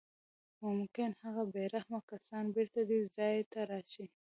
ممکن هغه بې رحمه کسان بېرته دې ځای ته راشي